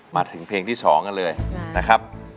มาถึงเพลงที่๒กันเลยนะครับ